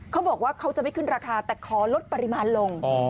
เขาบอกว่าเขาจะไม่ขึ้นราคาแต่ขอลดปริมาณลง